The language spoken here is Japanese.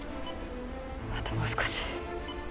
あともう少し。